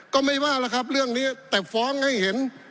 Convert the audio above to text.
ก็ไม่ว่าแล้วครับเรื่องนี้แต่ฟ้องให้เห็น